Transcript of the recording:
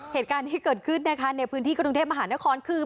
เหตุการณ์ที่เกิดขึ้นนะคะในพื้นที่กรุงเทพมหานครคือ